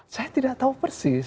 saya tidak tahu persis